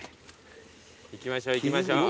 行きましょう行きましょう。